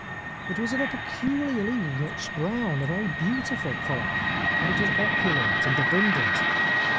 It was of a peculiarly rich brown, a very beautiful colour, and it was opulent and abundant.